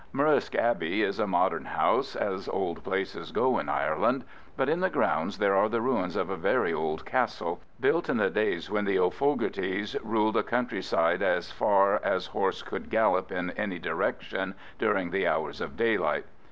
Murrisk Abbey is a modern house, as old places go in Ireland, but in the grounds there are the ruins of a very old castle, built in the days when the O'Fogartys ruled a countryside as far horse could gallop in any direction during the hours of daylight.